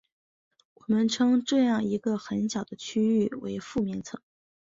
我们称这样一个很小的区域为附面层。